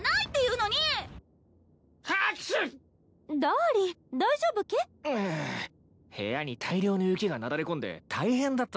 うう部屋に大量の雪がなだれ込んで大変だったんだ。